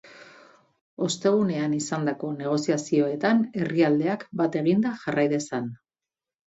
Ostegunean izandako negoziazioetan herrialdeak bat eginda jarrai dezan.